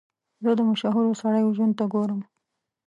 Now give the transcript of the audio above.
زه د مشهورو سړیو ژوند ته ګورم.